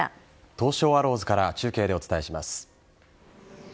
東証アローズから中継でお伝えします。